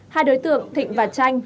hai đối tượng thịnh và tranh